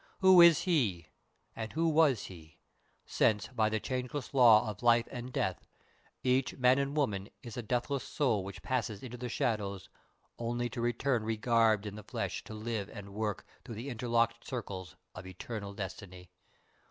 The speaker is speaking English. Who is he, and who was he since, by the changeless law of life and death, each man and woman is a deathless soul which passes into the shadows only to return re garbed in the flesh to live and work through the interlocked cycles of Eternal Destiny?